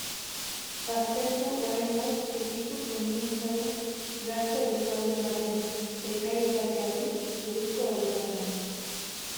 Baztertu, oraingoz, ukitu feministadun gazte euskaldun baten prekarietateari buruzko egitasmoa.